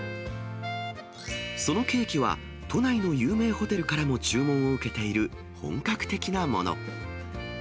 そのケーキは、都内の有名ホテルからも注文を受けている本格的なもの。